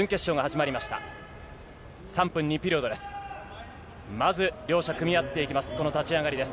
まず両者組み合っていきます。